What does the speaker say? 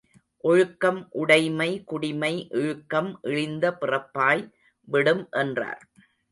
ஒழுக்கம் உடைமை குடிமை இழுக்கம் இழிந்த பிறப்பாய் விடும் என்றார்.